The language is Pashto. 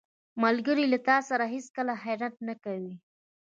ملګری له تا سره هیڅکله خیانت نه کوي